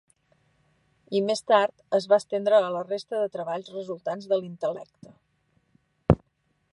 I més tard, es va estendre a la resta de treballs resultants de l'intel·lecte.